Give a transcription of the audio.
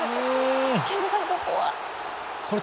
憲剛さん、ここは。